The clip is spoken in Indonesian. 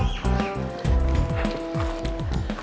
saya antar aja